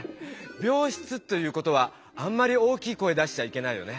びょう室ということはあんまり大きい声出しちゃいけないよね。